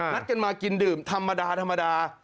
นัดกันมากินดื่มธรรมดา